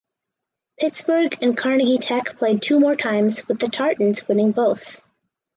Pittsburgh and Carnegie Tech played two more times with the Tartans winning both.